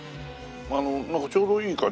あのなんかちょうどいい感じ。